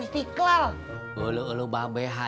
begitu luar biasa